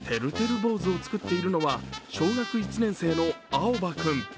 てるてる坊主を作っているのは小学１年生のあおば君。